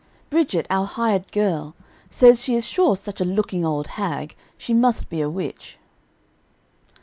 "Bridget, our hired girl, says she is sure such a looking old hag must be a witch."